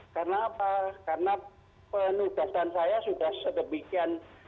karena penugasan saya sudah sedemikian